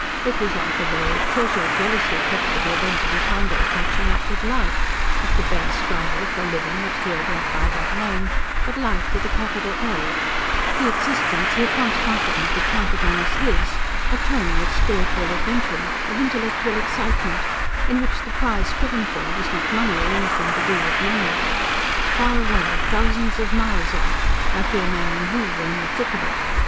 It was like a buried treasure, jealously kept for the event of his one day catching up with life: not the bare scramble for a living that here went by that name, but Life with a capital L, the existence he had once confidently counted on as his a tourney of spiritual adventuring, of intellectual excitement, in which the prize striven for was not money or anything to do with money. Far away, thousands of miles off, luckier men than he were in the thick of it.